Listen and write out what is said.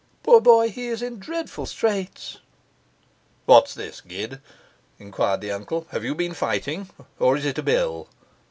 'Poor boy, he is in dreadful straits.' 'What's this, Gid?' enquired the uncle. 'Have you been fighting? or is it a bill?